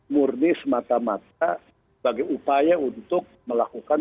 murni semata mata sebagai upaya untuk melakukan